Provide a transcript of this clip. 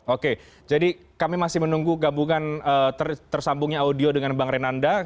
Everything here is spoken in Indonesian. oke jadi kami masih menunggu tersambungnya audio dengan bang renanda